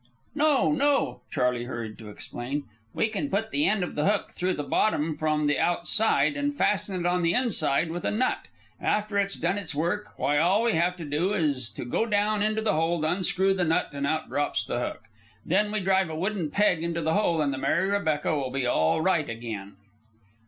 "No, no," Charley hurried to explain. "We can put the end of the hook through the bottom from the outside, and fasten it on the inside with a nut. After it's done its work, why, all we have to do is to go down into the hold, unscrew the nut, and out drops the hook. Then drive a wooden peg into the hole, and the Mary Rebecca will be all right again."